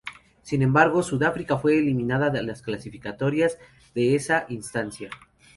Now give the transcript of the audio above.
Sin embargo, Sudáfrica fue eliminada de las clasificatorias antes de esa instancia.